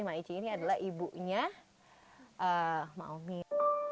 ma'ici ini adalah ibunya ma'omin